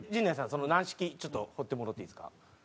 その軟式ちょっと放ってもろていいですか？